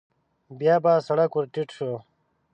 بيا په سړک ور ټيټ شو.